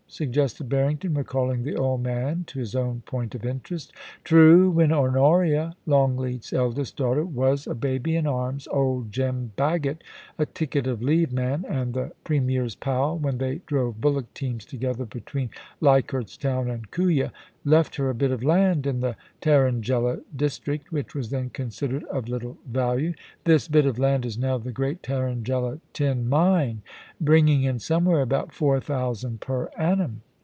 suggested Harrington, recalling the old man to his own point of interest. * True ! When Honoria, Longleat's eldest daughter, was a baby in arms, old Jem Bagot, a ticket of leave man, and the Premier's pal when they drove bullock teams together between Leichardt's Town and Kooya, left her a bit of land in the Tarrangella district, which was then considered of little value. This bit of land is now the great Tarrangella tin mine, bringing in somewhere about four thousand per annum.'